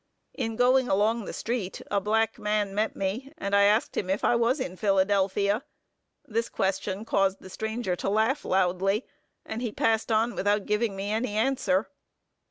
In going along the street, a black man met me, and I asked him if I was in Philadelphia. This question caused the stranger to laugh loudly; and he passed on without giving me any answer.